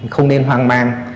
không nên hoang mang